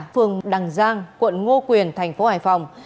phường đằng giang quận ngo quyền thành phố hải phòng